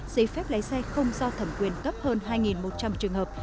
giấy phép lái xe không do thẩm quyền cấp hơn hai một trăm linh trường hợp